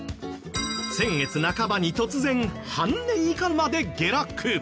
先月半ばに突然半値以下まで下落。